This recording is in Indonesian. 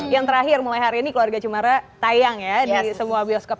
yang terakhir mulai hari ini keluarga cemara tayang ya di semua bioskop